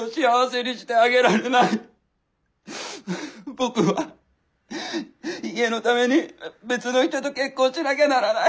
僕は家のために別の人と結婚しなきゃならない。